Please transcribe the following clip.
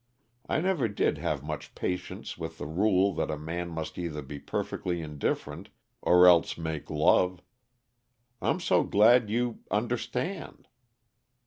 I never did have much patience with the rule that a man must either be perfectly indifferent, or else make love. I'm so glad you understand.